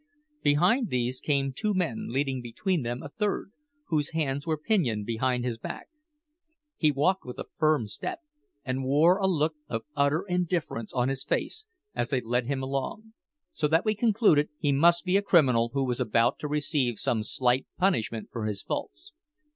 Behind these came two men leading between them a third, whose hands were pinioned behind his back. He walked with a firm step, and wore a look of utter indifference on his face as they led him along, so that we concluded he must be a criminal who was about to receive some slight punishment for his faults.